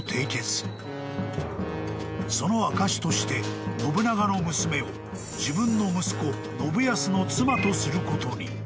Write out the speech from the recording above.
［その証しとして信長の娘を自分の息子信康の妻とすることに］